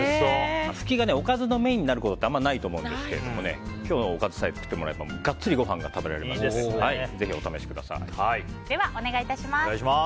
フキがおかずのメインになることってあんまりないと思うんですけど今日のおかずさえ作ってもらえればガッツリご飯が食べられますのででは、お願い致します。